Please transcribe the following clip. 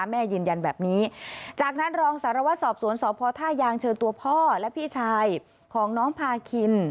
แม่ยืนยันแบบนี้จากนั้นรองสารวัตรสอบสวนสพท่ายางเชิญตัวพ่อและพี่ชายของน้องพาคิน